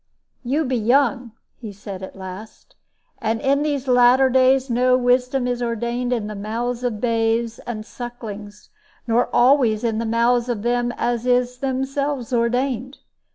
"You be young," he said at last; "and in these latter days no wisdom is ordained in the mouths of babes and sucklings, nor always in the mouths of them as is themselves ordained.